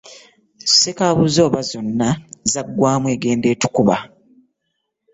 Sseka buzooba zonna zagwamu egenda etukuba .